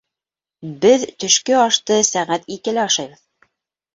Беҙ төшкө ашты сәғәт икелә ашайбыҙ.